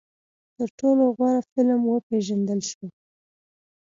تر ټولو غوره فلم وپېژندل شو